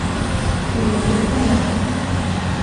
Vill du att jag stannar?